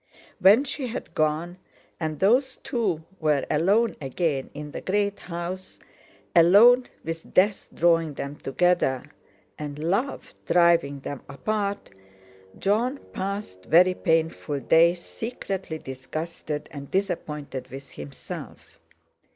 When she had gone, and those two were alone again in the great house, alone with death drawing them together, and love driving them apart, Jon passed very painful days secretly disgusted and disappointed with himself.